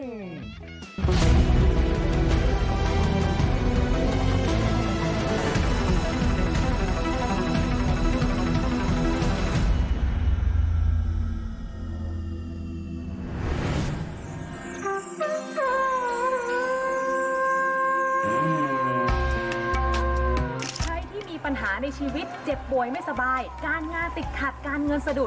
ใช้ที่มีปัญหาในชีวิตเจ็บป่วยไม่สบายการงานติดขัดการเงินสะดวก